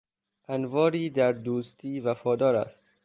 انواری در دوستی وفادار است.